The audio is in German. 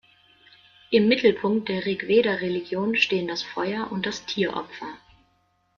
Im Mittelpunkt der Rigveda-Religion stehen das Feuer- und das Tieropfer.